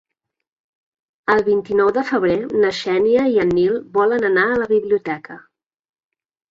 El vint-i-nou de febrer na Xènia i en Nil volen anar a la biblioteca.